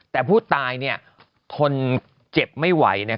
แต่ผู้ตายทนเจ็บไม่ไหว